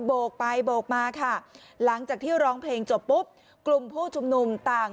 โกกไปโบกมาค่ะหลังจากที่ร้องเพลงจบปุ๊บกลุ่มผู้ชุมนุมต่าง